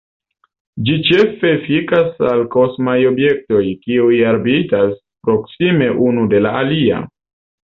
Ĝi ĉefe efikas al kosmaj objektoj, kiuj orbitas proksime unu de la alia.